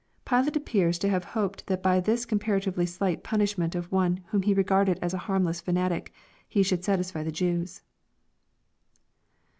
Pilate appears to have hoped that by this comparatively slight punishment of one whom he regarded as a harmless fanatic, he should satisfy the Jews.